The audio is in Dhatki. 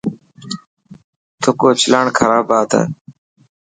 ٿڪ اوچلاڻ خراب بات هي.